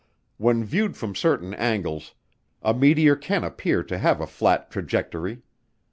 When viewed from certain angles, a meteor can appear to have a flat trajectory.